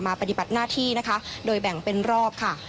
ปฏิบัติหน้าที่นะคะโดยแบ่งเป็นรอบค่ะ